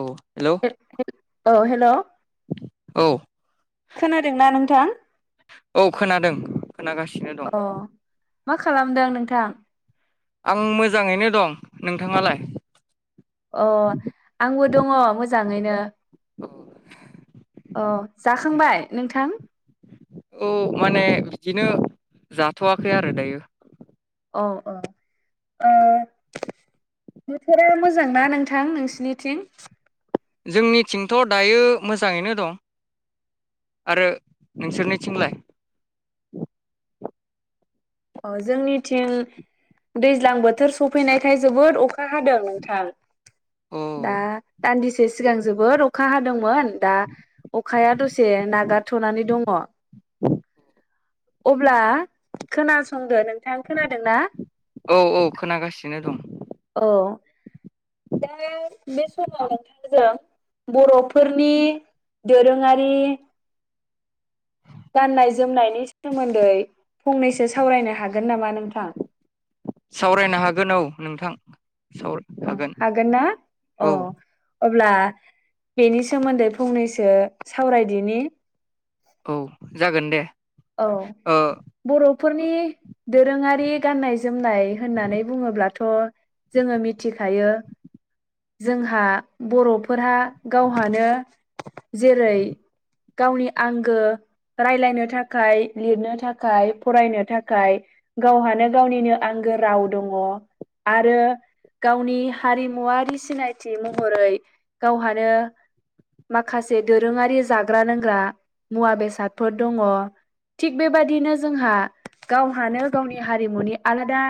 औ हेलौ औ हेलौ औ खोनादोंना नोंथां औ खोनादों खोनागासिनो दं। अ मा खालामदों नोंथां? आं मोजाङैनो दं नोंथाङालाय? अ आंबो दङ मोजाङैनो अह जाखांबाय नोंथां। औ माने बिदिनो जाथ'वाखै आरो दायो। औ औ ओ बोथोरा मोजां ना नोंथां नोंसिनिथिं? जोंनिथिंथ' दायो मोजाङैनो दं आरो नोंसोरनिथिंलाय? अ जोंनिथिं दैज्लां बोथोर सफैनायखाय जोबोद अखा हादों नोंथां अ दा दान्दिसे सिगां जोबोद अखा हादोंमोन दा अखाया दसे नागारथ'नानै दङ। औ अब्ला खोनासंदो नों औ औ खोनागासिनो दं औ दा बे समाव नोंथांजों बर'फोरनि दोरोङारि गाननाय जोमनायनि सोमोन्दै फंनैसो सावरायनो हागोन हागोन नामा नोंथां? सावरायनो हागोन औ नोंथां। औ हागोन ना औ अह अब्ला बेनि सोमोन्दै फंनैसो सावरायदिनि औ जागोन दे। औ ओ बर' बर'फोरनि दोरोङारि गाननाय जोमनाय होननानै बुङोब्लाथ' जोङो मिथिखायो जोंहा बर'फोरहा गावहानो जेरै गावनि आंगो रायलायनो थाखाय थाखाय लिरनो थाखाय फरायनो थाखाय गावहानो गावनिनो आंगो राव दङ आरो गावनि हारिमुवारि सिनायथि थि महरै गावहानो माखासे दोरोङारि जाग्रा लोंग्रा मुवा बेसादफोर दङ। थिग बेबादिनो जोंहा गावहानो गावनि हारिमुनि आलादा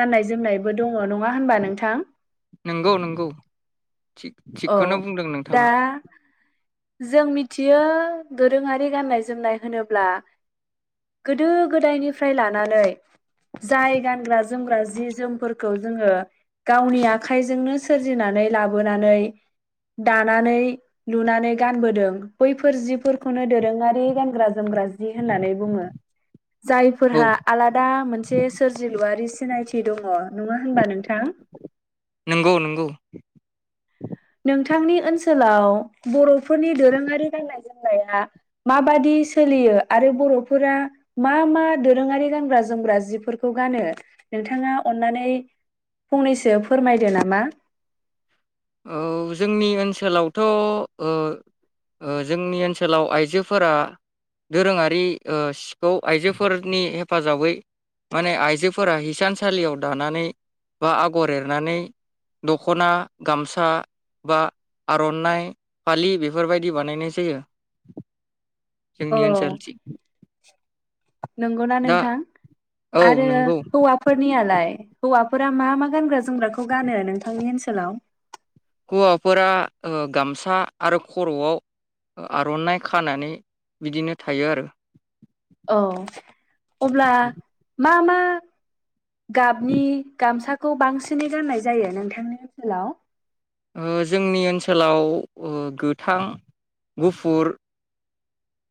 गाननाय जोमनायबो दङ नङा होनबा नोंथां? नंगौ नंगौ थिग औ थिगखौनो बुंदों दा नोंथाङा। जों मिथियो दोरोङारि गाननाय जोमनाय होनोब्ला गोदो गोदायनिफ्राय लानानै जाय गानग्रा जोमग्रा जि जोमफोरखौ जोङो गावनि आखाइजोंनो सोरजिनानै लाबोनानै दानानै लुनानै गानबोदों बैफोर जिफोरखौनो दोरोङारि गानग्रा जोमग्रा जि होननानै बुङो औ जायफोरहा आलादा मोनसे सोरजिलुआरि सिनायथि दङ नङा होनबा नोंथां नंगौ नंगौ नोंथांनि ओनसोलाव बर'फोरनि दोरोङारि गाननाय जोमनाया माबादि सोलियो आरो बर'फोरा मा मा दोरोङारि गानग्रा जोमग्रा जिफोरखौ गानो नोंथाङा अन्नानै फंनैसो फोरमायदो नामा? औ जोंनि ओनसोलावथ ओ' जोंनि ओनसोलाव आइजोफोरा दोरोङारि ओ सिखौ आइजोफोरनि हेफाजाबै माने आइजोफोरा हिसानसालियाव दानानै बा आगर एरनानै दख'ना गामसा बा आर'नाइ फालि बेफोरबायदि बानायनाय जायो। औ जोंनि ओनसोलथिं नंगौना दा नोंथां औ आरो नंगौ हौवाफोरनियालाय हौवा फोरा मा मा गानग्रा जोमग्राखौ गानो नोंथांनि ओनसोलाव हौवाफोरा गामसा आरो खर'आव आर'नाइ खानानै बिदिनो थायो आरो औ अब्ला मा मा गाबनि गामसा खौ बांसिनै गाननाय जायो नोंथांनि ओनसोलाव? ओ जोंनि ओनसोलाव गोथां गुफुर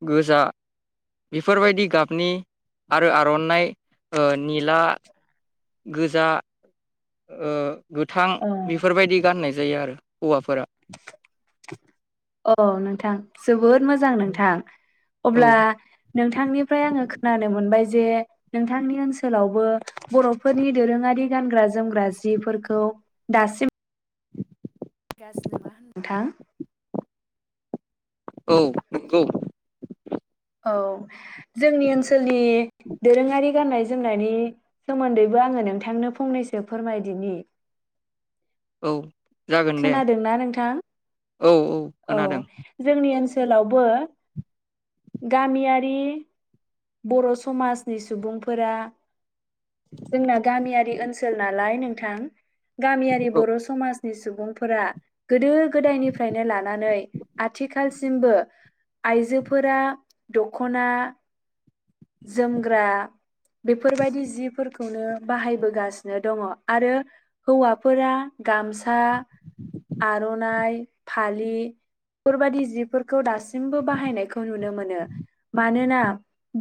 गोजा बेफोरबायदि गाबनि आरो आर'नाइ ओ निला गोजा ओ गोथां औ बेफोरबायदि गाननाय जायो आरो हौवाफोरा। अ नोंथां जो बोद मोजां नोंथां औ अब्ला नोंथांनिफ्राय आङो खोनानो मोनबाय जे नोंथांनि ओनसोलावबो बर'फोरनि दोरोङारि गानग्रा जोमग्रा जिफोरखौ दासिम गाज्रि नङा होन नोंथां औ नंगौ औ जोंनि ओनसोलनि दोरोङारि गाननाय जोमनायनि सोमोन्दैबो आङो नोंथांनो फंनैसो फोरमायदिनि औ जागोन दे खोनादोंना नोंथां? औ औ खोनादों सोलावबो गामियारि बर' समाजनि सुबुंफोरा जोंना गामियारि ओनसोल नालाय नों थां गामियारि औ बर' समाज नि सुबुंफोरा गोदो गोदायनिफ्रायनो लान नै आथिखालसिमबो आइजोफोरा दख'ना जोमग्रा बेफोरबायदि जिफोरखौनो बाहायबोगासिनो दङ आरो हौवाफोरा गामसा आर'नाइ फालि फोरबायदि जिफोरखौ दासिमबो बाहायनायखौ नुनो मोनो। मानोना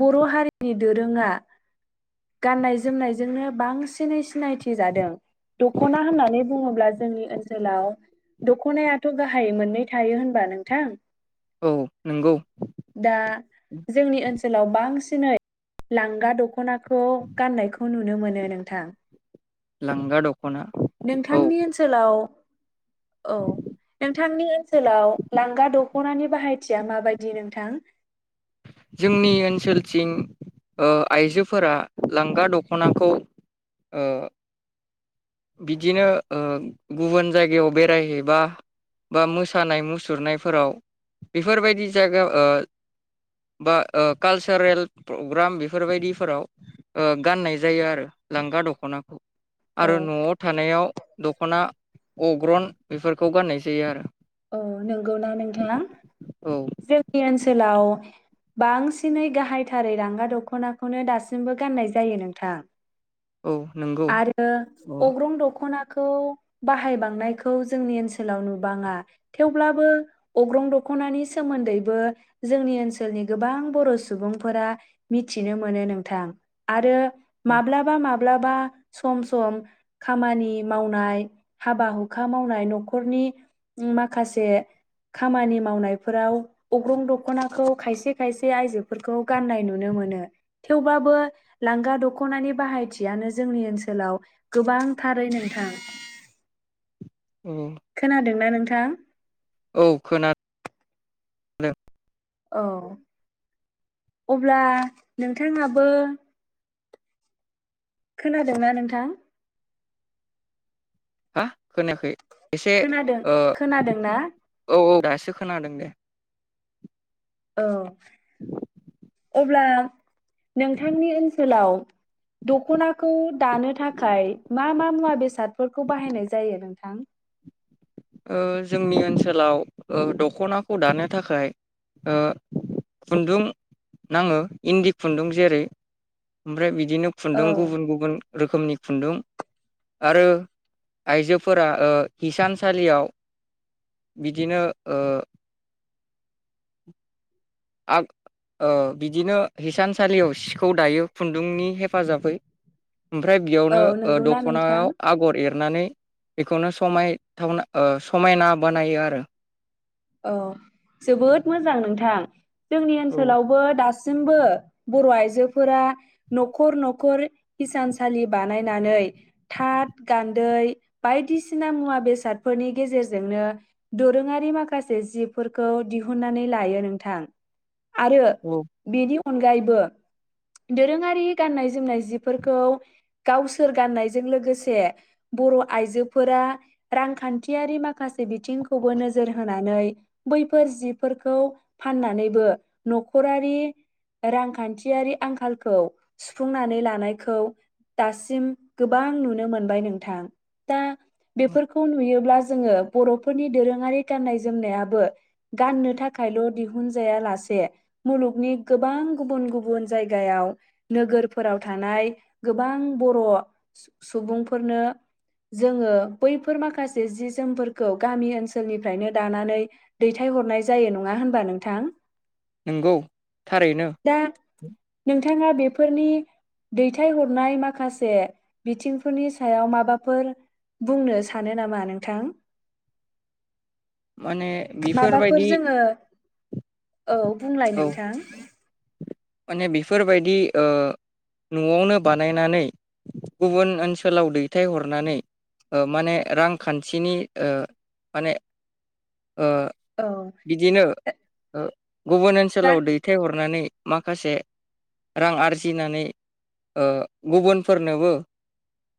बर' हारिनि दोरोङा गाननाय जोमनायजोंनो बांसिनै सिनायथि जादों दख'ना होननानै बुङोब्ला जोंनि ओनसोलाव दख'नायाथ' गाहाय मोननै थायो होनबा नोंथां औ नंगौ दा जोंनि ओनसो सोलाव बांसिनै लांगा दख'ना खौ गाननायखौ नुनो मोनो नोंथां लांगा द नोंथांनि ओनसोलाव औ नोंथांनि ओनसोलाव लांगा दख'नानि बाहायथिया माबायदि नोंथां। जोंनि ओनसोलथिं ओ आइजोफोरा लांगा दख'नाखौ ओ बिदिनो ओ गुबुन जायगायाव बेरायहैबा बा मोसानाय मुसुरनायफोराव बेफोरबायदि जायगायाव ओ बा ओ कालसारेल प्रग्राम बेफोरबायदिफोराव ओ गाननाय जायो आरो लांगा दख'नाखौ औ आरो न'आव थानायाव दख'ना अग्रन बेफोरखौ गाननाय जायो आरो। औ नंगौना नोंथां औ जोंनि ओनसोलाव बांसिनै गाहायथारै लांगा दख'नाखौनो दासिमबो गाननाय जायो नोंथां। औ नंगौ आरो अ अग्रं दख'ना खौ बाहायबांनायखौ जोंनि ओनसोलाव नुबाङा। थेवब्लाबो अग्रं दख'नानि सोमोन्दैबो जोंनि ओनसोलनि गोबां बर' सुबुंफोरा मिथिनो मोनो नोंथां आरो माब्लाबा माब ब्लाबा सम सम खामानि मावनाय हाबा हुखा मावनाय न'खरनि मा खासे खामानि मावनायफोराव अग्रं दख'नाखौ खायसे खायसे आइजोफोरखौ गाननाय नुनो मोनो थेवबाबो लांगा दख'नानि बाहायथियानो जोंनि ओनसोलाव गोबांथारै नोंथां। औ खोनादोंना नों? थां। औ खोना दों। औ अब्ला नोंथाङाबो खोनादोंना नोंथां। हा खोनायाखै। एसे खोनादों ओ खोनादोंना औ औ। दासो खोनादों दे। औ। [inaudible] अब्ला नोंथांनि ओनसोलाव दख'नाखौ दानो थाखाय मा मा मुवा बेसादफोरखौ बाहायनाय जायो नोंथां। ओ जोंनि ओनसोलाव दख'नाखौ दानो थाखाय खुन्दुं नाङो इन्दि खुन्दुं जेरै ओमफ्राय बिदि बिदिनो औ खुन्दुं गुबुन गुबुन रोखोमनि खुन्दुं आरो आइजोफोरा ओ हिसान सालियाव बिदिनो ओ आ ओ बिदिनो हिसानसालियाव सिखौ दायो खुन्दुंनि हेफाजाबै ओमफ्राय औ बेयावनो नंगौना नोंथां दखनायाव आगर एर सारनानै बेखौनो समायथावना समायना बानायो आरो। औ जोबोद मोजां नोंथां। जोंनि औ ओनसोलावबो दास दाबो बर' आइजोफोरा न'खर न'खर हिसानसालि बानायनानै थाथ गान्दै बायदिसिना मुवा बेसादफोरनि गेजेरजोंनो दोरोङारि माखासे माखासे जिबफोरखौ दिहुनन्नानै लायो नोंथां। आरो औ बेनि अनगायैबो दोरोङारि गाननाय जोमनाय जिफोरखौ गावसोर गाननायजों लोगोसे बर' आइजोफोरा रांखान्थियारि माखासे बिथिंखौबो नोजोर हो होनानै बैफोर जिफोरखौ फाननानैबो न'खरारि रांखान्थियारि आंखालखौ सुफुंनानै लानायखौ दासिम गोबां नुनो मोनबाय नोंथां दा बेफोरखौ नुयोब्ला जोंङो बर'फोरनि दोरोंङारि गाननाय जोमनायाबो गाननो थाखायल' दिहुनजायालासे मुलुगनि गोबां गुबुन गुबुन जायगायाव नोगोरफोराव थानाय गोबां बर' सुबुंफोरनो जोंङो बैफोर माखासे जि जोमफोरखौ गामि ओनसोलनि फ्रायनो दानानै दैथाय हरनाय जायो नङा होनबा नोंथां। नंगौ थारैनो दा नोंथाङा बेफोरनि दैथायहरनाय माखासे बिथिंफोरनि सायाव माबाफोर बुंनो सानो नामा नोंथां माने माबाफोर बेफोरबायदि जोङो औ बुंलाय औ नोंथां माने बेफोरबायदि ओ न'आवनो बानायनानै गुबुन ओनसोलाव दैथायहरनानै माने रांखान्थिनि ओ माने ओ औ बिदिनो गुबुन दा ओनसोलाव दैथायहरनानै माखासे रां आरजिनानै ओ गुबुनफोरनोबो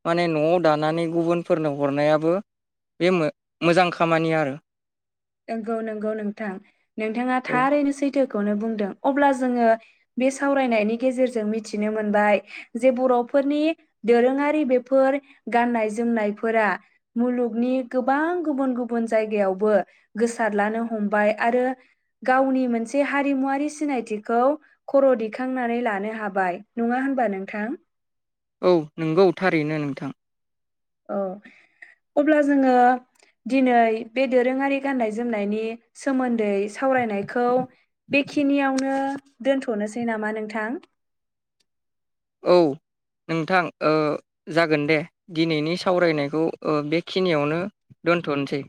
माने न'आव दानानै गुबुनफोरनो हरनायाबो बे मोजां खामानि आरो। नंगौ नंगौ नोंथां नोंथाङा औ थारैनो सैथो खौनो बुंदों अब्ला जोंङो बे सावरायनायनि गेजेरजों मिथिनो मोनबाय जे बर'फोरनि दोरोङारि बेफोर गाननाय जोमनायफोरा मुलुगनि गोबां गुबुन गुबुन जायगायावबो गोसारलानो हमबाय आरो गावनि मोनसे हारिमुवारि सिनायथिखौ खर' दिखांनानै लानो हाबाय नङा होनबा नोंथां। औ नंगौ थारैनो नोंथां औ, अब्ला जोङो दिनै बे दोरोङारि गाननाय जोमनायनि सोमोन दै सावरायनायखौ बेखिनियावनो दोन्थ'नोसै नामा नोंथां? औ नोंथां ओ जागोन दे दिनैनि सावरायनायखौ ओ बेखिनियावनो दोन्थ'नोसै।